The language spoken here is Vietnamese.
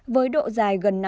với độ dài gần năm mươi